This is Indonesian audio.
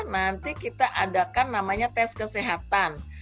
nanti kita adakan namanya tes kesehatan